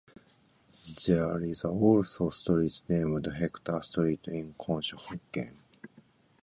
There is also a street named Hector Street in Conshohocken.